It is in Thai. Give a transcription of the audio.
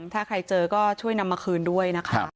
ถ้าใครเจอก็ช่วยนำมาคืนด้วยนะคะ